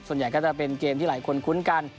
ส่วนใหญ่ก็จะเป็นเกมที่หลายคนคุ้นกัน